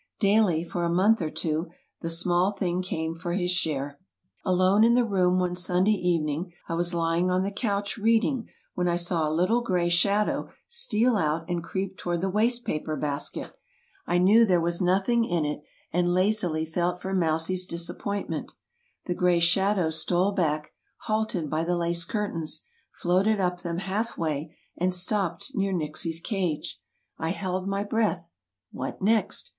Daily, for a month or two, the small thing came for his share. Alone in the room one Sunday evening, I was lying on the couch reading when I saw a little gray shadow steal out and creep toward the waste paper basket. I knew there was nothing in it, and lazily felt for Mousie's disappointment. The gray shadow stole back, halted by the lace curtains, floated up them half way, and stopped near Nixie's cage. I held my breath. What next?